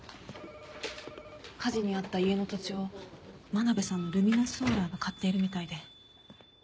火事に遭った家の土地を真鍋さんのルミナスソーラーが買っているみたいで。